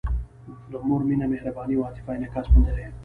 د مور مینه، مهرباني او عاطفه انعکاس موندلی.